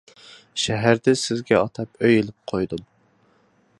شەھەردىن سىزگە ئاتاپ ئۆي ئېلىپ قويدۇم.